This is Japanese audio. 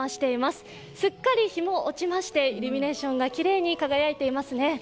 すっかり日も落ちまして、イルミネーションがきれいに輝いていますね。